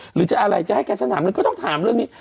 หรือจะอะไรจะให้แกฉันถามเงินก็ต้องถามเรื่องนี้